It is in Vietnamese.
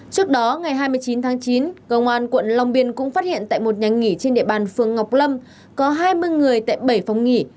trước đó ngày hai mươi chín tháng chín công an quận long biên cũng phát hiện tại một nhà nghỉ trên địa bàn phường ngọc lâm có hai mươi người tại bảy phòng nghỉ